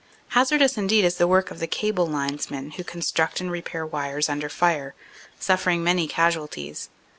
Hazardous indeed is the work of the cable linesmen who construct and repair wires under fire, suffering many casual ties.